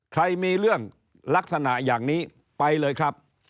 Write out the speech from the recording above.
ใครมีเรื่องลักษณะอย่างนี้ไปเลยครับ